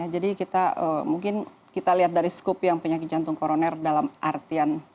jadi kita mungkin kita lihat dari skopi yang penyakit jantung koroner dalam artian